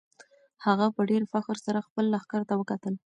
هغه په ډېر فخر سره خپل لښکر ته وکتل.